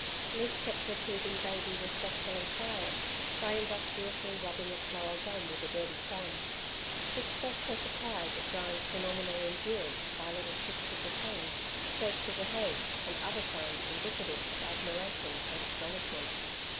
Liz kept her teething baby respectfully silent by industriously rubbing its lower gum with a dirty thumb. She expressed her surprise at Jyne's phenomenal endurance by little clicks of the tongue, shakes of the head, and other signs indicative of admiration and astonishment.